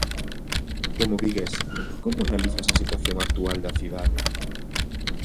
Como vigués, como analizas a situación actual da cidade?